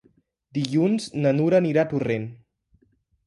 Dilluns na Nura anirà a Torrent.